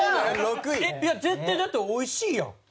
いや絶対だって美味しいやん。